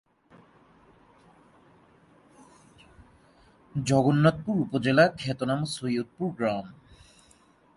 জগন্নাথপুর উপজেলার খ্যাতনামা সৈয়দপুর গ্রাম।